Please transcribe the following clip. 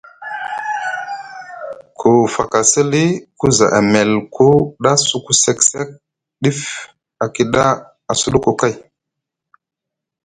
Ku fakasi lii ku za emel ku ɗa suku sek sek ɗif a kiɗa a suɗuku kay.